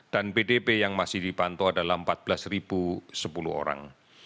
dan pdb yang masih dipantau adalah empat belas sepuluh orang